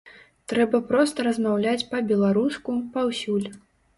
Трэба проста размаўляць па-беларуску, паўсюль.